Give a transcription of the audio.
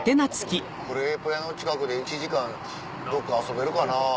クレープ屋の近くで１時間どっか遊べるかな？